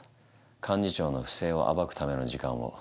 幹事長の不正を暴くための時間を。